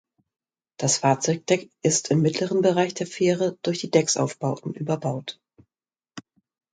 Das Fahrzeugdeck ist im mittleren Bereich der Fähre durch die Decksaufbauten überbaut.